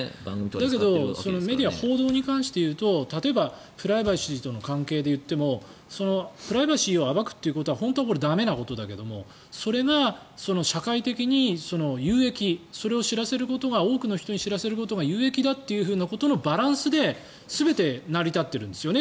だけどメディア、報道に関して言うと例えばプライバシーとの関係でいってもプライバシーを暴くことは本当は駄目なことだけどそれが社会的に有益それを知らせることが多くの人に知らせることが有益だということのバランスで全て、成り立っているんですよね